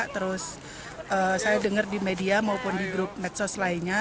terus saya dengar di media maupun di grup medsos lainnya